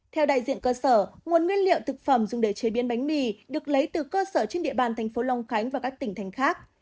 theo đại diện cơ sở nguồn nguyên liệu thực phẩm dùng để chế biến bánh mì được lấy từ cơ sở trên địa bàn thành phố long khánh và các tỉnh thành khác